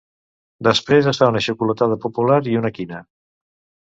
Després es fa una xocolatada popular i una quina.